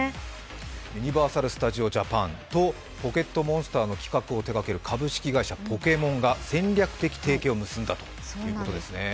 ユニバーサル・スタジオ・ジャパンと「ポケットモンスター」の企画を手がける株式会社ポケモンが戦略的提携を結んだということですね。